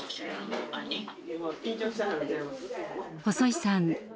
細井さん